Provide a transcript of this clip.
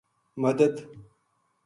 مدد